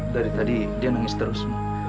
dari tadi dia nangis terus